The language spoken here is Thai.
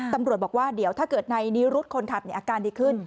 ตำรวจบอกว่าเดี๋ยวถ้าเกิดในนิรุธคนขับอาการดีขึ้น